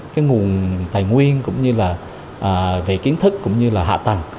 cái nguồn tài nguyên cũng như là về kiến thức cũng như là hạ tầng